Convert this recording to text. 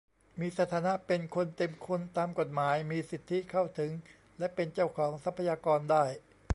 มีสถานะเป็นคนเต็มคนตามกฎหมาย มีสิทธิเข้าถึงและเป็นเจ้าของทรัพยากรได้